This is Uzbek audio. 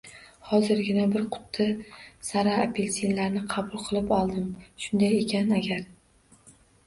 Hozirgina bir quti sara apelsinlarni qabul qilib oldim, shunday ekan agar…